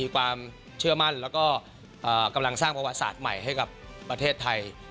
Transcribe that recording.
ความเชื่อมั่นแล้วก็กำลังสร้างประวัติศาสตร์ใหม่ให้กับประเทศไทย